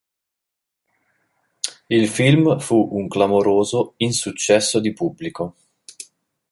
Il film fu un clamoroso insuccesso di pubblico.